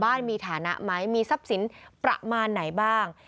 มีฐานะไหมมีทรัพย์สินประมาณไหนบ้าง